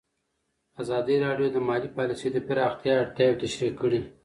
ازادي راډیو د مالي پالیسي د پراختیا اړتیاوې تشریح کړي.